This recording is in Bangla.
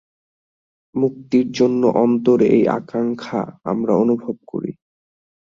মুক্তির জন্য অন্তরে এই আকাঙ্ক্ষা আমরা অনুভব করি।